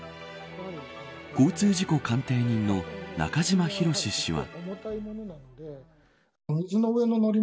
交通事故鑑定人の中島博史氏は。